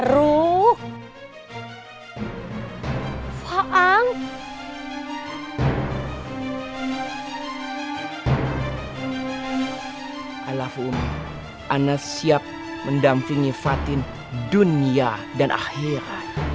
i love you umi anas siap mendampingi fatin dunia dan akhirat